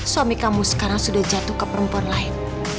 suami kamu sekarang sudah jatuh ke perempuan lain